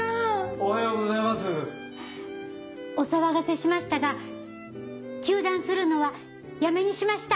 お騒がせしましたが休団するのはやめにしました。